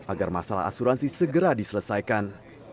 agar masalah asuransi segera diselesaikan